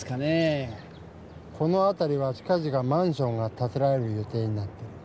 このあたりは近ぢかマンションがたてられる予定になっている。